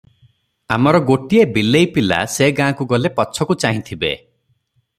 ଆମର ଗୋଟିଏ ବିଲେଇ ପିଲା ସେ ଗାଁକୁ ଗଲେ ପଛକୁ ଚାହିଁଥିବେ ।